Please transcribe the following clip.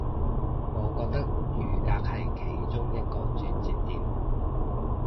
我覺得雨革係其中一個轉捩點